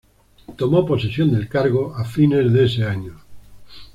Tomó posesión del cargo a fines de ese año.